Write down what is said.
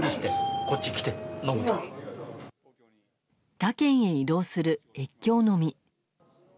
他県へ移動する越境飲み。